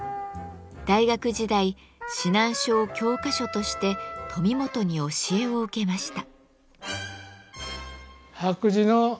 大学時代指南書を教科書として富本に教えを受けました。